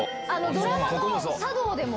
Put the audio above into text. ドラマの『サ道』でも。